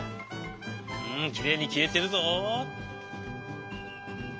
うんきれいにきえてるぞ。